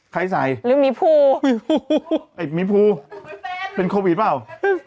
ใครใส่หรือมีภูมีภูมีภูเป็นโควิดเปล่าฮึ